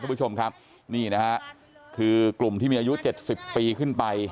คุณผู้ชมครับนี่นะฮะคือกลุ่มที่มีอายุ๗๐ปีขึ้นไป